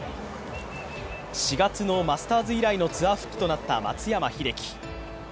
４月のマスターズ以来のツアー復帰となった松山英樹。